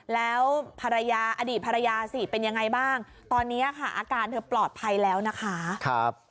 แล้วอดีตภรรยาสิเป็นอย่างไรบ้าง